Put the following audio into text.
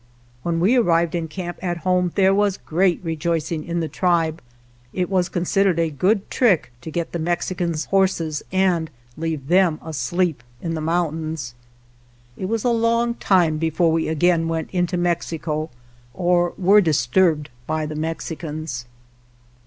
When we arrived in camp at home there was great rejoicing in the tribe. It was considered a good trick to get the Mexicans' horses and leave them asleep in the mountains. It was a long time before we again went into Mexico or were disturbed by the Mex icans.